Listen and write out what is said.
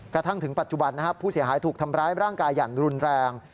กระทั่งถึงปัจจุบันนะครับผู้เสียหายถูกทำร้ายร่างกายอย่างรุนแรง